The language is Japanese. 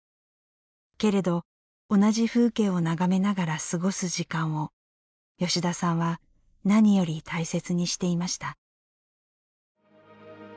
けれど、同じ風景を眺めながら過ごす時間を吉田さんは何より大切にしていました。